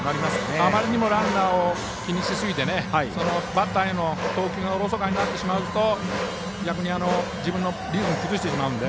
あまりにもランナーを気にしすぎてバッターへの投球がおろそかになってしまうと逆に自分のリズムを崩してしまうので。